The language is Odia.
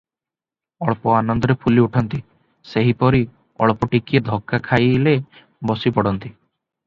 ଅଳ୍ପ ଆନନ୍ଦରେ ଫୁଲି ଉଠନ୍ତି, ସେହିପରି ଅଳ୍ପ ଟିକିଏ ଧକା ଖାଇଲେ ବସି ପଡନ୍ତି ।